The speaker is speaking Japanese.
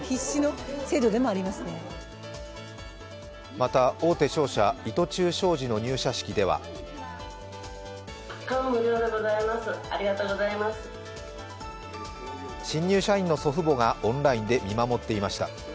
また大手商社伊藤忠商事の入社式では新入社員の祖父母がオンラインで見守っていました。